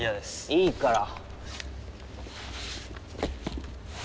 いいから。